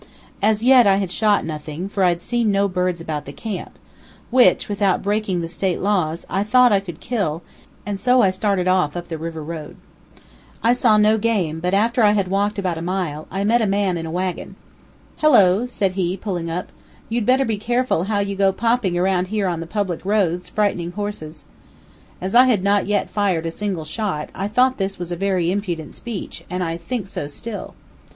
As yet I had shot nothing, for I had seen no birds about the camp, which, without breaking the State laws, I thought I could kill, and so I started off up the river road. I saw no game, but after I had walked about a mile, I met a man in a wagon. "Hello," said he, pulling up; "you'd better be careful how you go popping around here on the public roads, frightening horses." As I had not yet fired a single shot, I thought this was a very impudent speech, and I think so still.